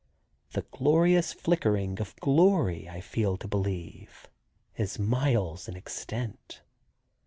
The gorgeous flickering of glory, I feel to believe, is miles in extent.